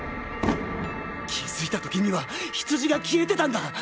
気づいた時にはヒツジが消えてたんだ！